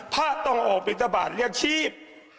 พลาดต้องออกปฏิบัติเรียกชีพ